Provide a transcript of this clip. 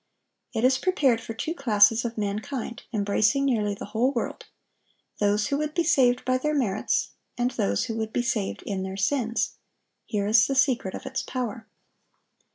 It is prepared for two classes of mankind, embracing nearly the whole world,—those who would be saved by their merits, and those who would be saved in their sins. Here is the secret of its power.